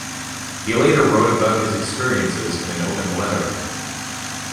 He later wrote about his experiences in an open letter.